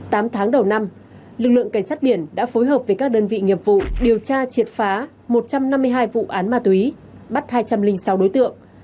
tám tháng đầu năm lực lượng cảnh sát biển đã phối hợp với các đơn vị nghiệp vụ điều tra triệt phá một trăm năm mươi hai vụ án ma túy bắt hai trăm linh sáu đối tượng